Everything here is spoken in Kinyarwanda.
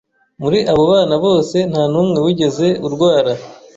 muri abo bana bose nta numwe wigeze urwara